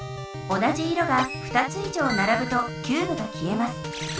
同じ色が２つ以上ならぶとキューブが消えます。